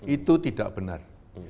itu tidak benar